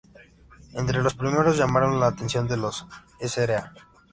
Entre los primeros llamaron la atención los de la Sra.